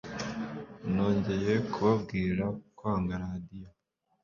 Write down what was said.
Nongeye kubabwira kwanga radio.